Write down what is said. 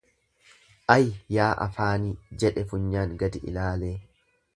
Ayi yaa afaanii jedhe funyaan gadi ilaalee.